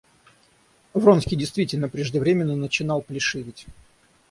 Вронский действительно преждевременно начинал плешиветь.